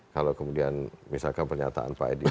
kalau kemudian misalkan pernyataan pak edi